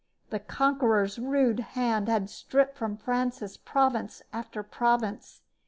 The conqueror's rude hand had stripped from Francis province after province.